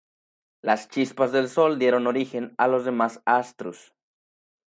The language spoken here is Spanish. Las chispas del Sol dieron origen a los demás astros.